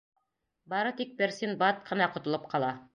Бары тик бер Синдбад ҡына ҡотолоп ҡала.